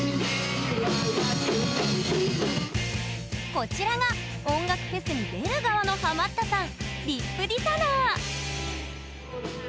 こちらが音楽フェスに出る側のハマったさん